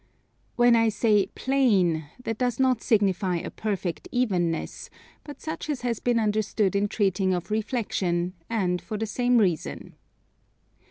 When I say plane, that does not signify a perfect evenness, but such as has been understood in treating of reflexion, and for the same reason.